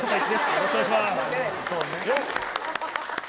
よろしくお願いします。